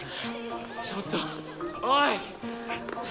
ちょっとおい！